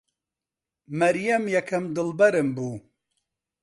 مەریەم یەکەم دڵبەرم بوو.